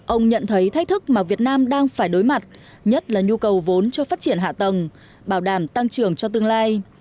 ông nhận thấy thách thức mà việt nam đang phải đối mặt nhất là nhu cầu vốn cho phát triển hạ tầng bảo đảm tăng trưởng cho tương lai